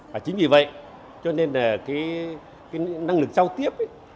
và chính vì vậy cho nên là năng lực giao tiếp